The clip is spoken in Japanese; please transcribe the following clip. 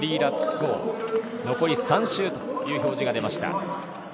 残り３周という表示が出ました。